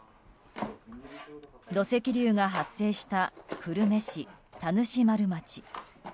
土石流が発生した久留米市田主丸町。